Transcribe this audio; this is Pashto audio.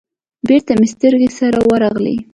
بېرته مې سترگې سره ورغلې.